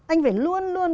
anh phải luôn luôn